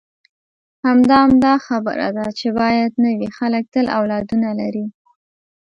همدا، همدا خبره ده چې باید نه وي، خلک تل اولادونه لري.